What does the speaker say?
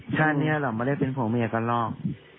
ชาตินี้เราไม่ได้เป็นผัวเมียกันหรอก